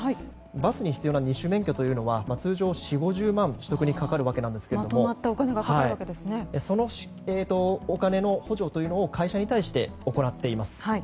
バスに必要な二種免許は通常４０５０万円が取得にかかるわけですがそのお金の補助を会社に対して行っています。